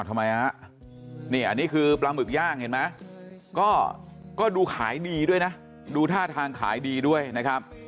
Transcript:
ทำไมฮะนี่อันนี้คือปลาหมึกย่างเห็นไหมก็ดูขายดีด้วยนะดูท่าทางขายดีด้วยนะครับ